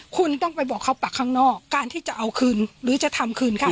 คุณต้องไปบอกเขาปากข้างนอกการที่จะเอาคืนหรือจะทำคืนข้าง